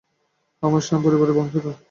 আমরা শান পরিবারের বংশধর।